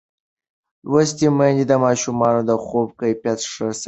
لوستې میندې د ماشومانو د خوب کیفیت ښه ساتي.